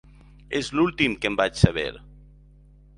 És l'últim que en vaig saber.